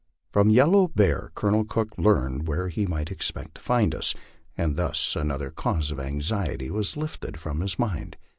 From Yel low Bear Colonel Cook learned where he might expect to find us, and thus an other cause of anxiety was lifted from his mind.